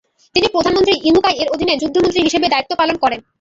তিনি প্রধানমন্ত্রী ইনুকাই এর অধীনে যুদ্ধমন্ত্রী হিসাবে দায়িত্ব পালন করেন।